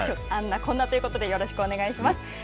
「あんなこんな」ということでよろしくお願いします。